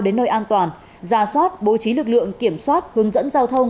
đến nơi an toàn giả soát bố trí lực lượng kiểm soát hướng dẫn giao thông